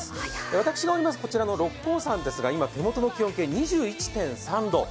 私がおります、六甲山ですが手元の気温計２１．３度。